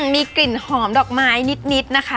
มีกลิ่นหอมดอกไม้นิดนะคะ